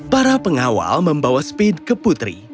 para pengawal membawa speed ke putri